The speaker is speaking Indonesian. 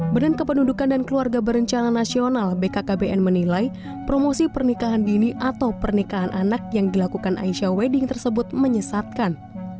badan kependudukan dan keluarga berencana nasional bkkbn menilai promosi pernikahan dini atau pernikahan anak yang dilakukan aisyah wedding tersebut menyesatkan